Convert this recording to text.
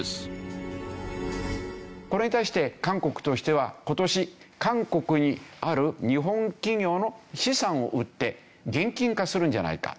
これに対して韓国としては今年韓国にある日本企業の資産を売って現金化するんじゃないか。